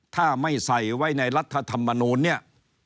ถ้าไม่ใส่ไว้ในรัฐธรรมนูลเนี่ย